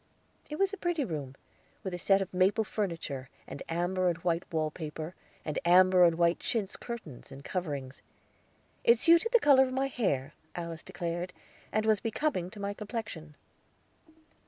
It was a pretty room, with a set of maple furniture, and amber and white wallpaper, and amber and white chintz curtains and coverings. It suited the color of my hair, Alice declared, and was becoming to my complexion.